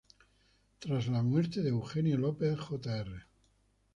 Tras la muerte de Eugenio López Jr.